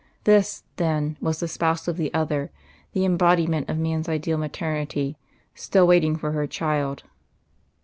This, then, was the spouse of the other, the embodiment of man's ideal maternity, still waiting for her child....